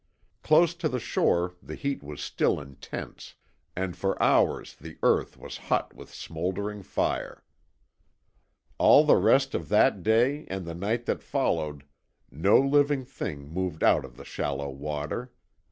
Close to the shore the heat was still intense, and for hours the earth was hot with smouldering fire. All the rest of that day and the night that followed no living thing moved out of the shallow water.